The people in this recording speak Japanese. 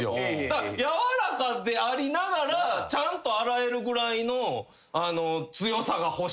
やわらかでありながらちゃんと洗えるぐらいの強さが欲しい。